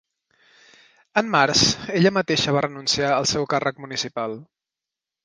En març ella mateixa va renunciar al seu càrrec municipal.